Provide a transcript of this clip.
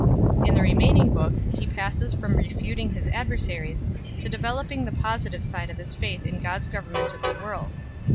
In the remaining books he passes from refuting his adver saries to developing the positive side of his faith in God s government of the world.